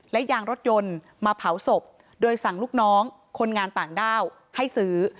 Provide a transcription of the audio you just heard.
และยางรถยนต์มาเผาศพโดยสั่งลูกน้องคนงานต่างด้าวให้ซื้อ